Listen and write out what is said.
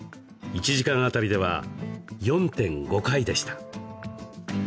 １時間あたりでは４．５回でした。